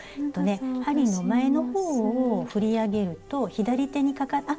針の前の方を振り上げると左手にかかって。